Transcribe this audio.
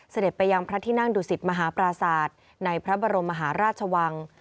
เสด็จไปยังพระที่นั่งดุสิตมหาปราศาสตร์ในพระบรมมหาราชวัง